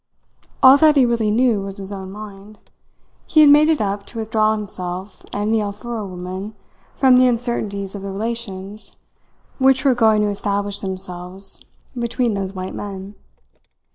All that he really knew was his own mind. He had made it up to withdraw himself and the Alfuro woman from the uncertainties of the relations which were going to establish themselves between those white men.